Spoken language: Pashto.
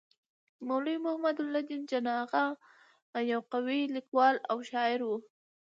مولوي محی الدين جان اغا يو قوي لیکوال او شاعر وو.